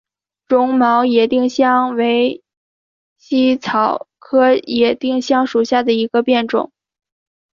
绒毛野丁香为茜草科野丁香属下的一个变种。